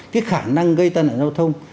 cái khả năng gây tai nạn giao thông